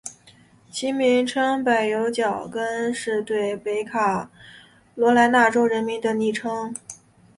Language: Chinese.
其名称柏油脚跟是对北卡罗来纳州人民的昵称。